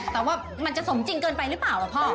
แต่ว่ามันจะสมจริงเกินไปหรือเปล่าพ่อ